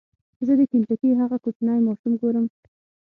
زه د کینټکي هغه کوچنی ماشوم ګورم.